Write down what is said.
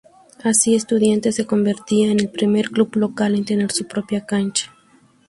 Así, Estudiantes se convertía en el primer club local en tener su propia cancha.